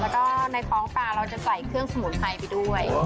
แล้วก็ในท้องปลาเราจะใส่เครื่องสมุนไพรไปด้วย